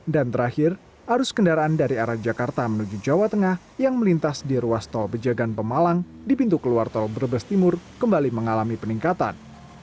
dan terakhir arus kendaraan dari arah jakarta menuju jawa tengah yang melintas di ruas tol bejagan pemalang di pintu keluar tol brebes timur kembali mengalami peningkatan